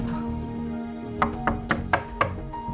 kita harus tahu berikutnya